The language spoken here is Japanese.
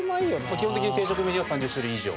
基本的に定食メニューは３０種類以上。